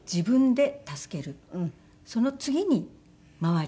その次に周り。